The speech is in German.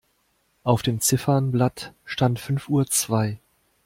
Auf dem Ziffernblatt stand fünf Uhr zwei.